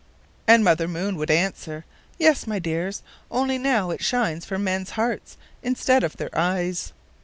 And Mother Moon would answer: "Yes, my dears, only now it shines for men's hearts instead of their eyes."